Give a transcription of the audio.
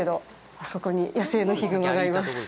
あそこに野生のヒグマがいます。